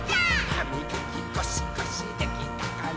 「はみがきゴシゴシできたかな？」